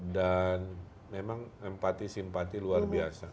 dan memang empati simpati luar biasa